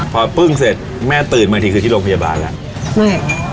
พอปึ้งเสร็จแม่ตื่นมาทีคือที่โรงพยาบาลอะ